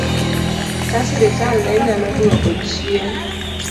Ka sirkal ne nyalo dwoko chien